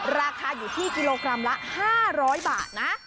ราคาอยู่ที่กิโลกรัมละ๕๐๐บาทนะ